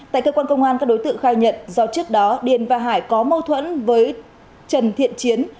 tại cơ quan công an các đối tượng khai nhận do trước đó điền và hải có mâu thuẫn với trần thiện chiến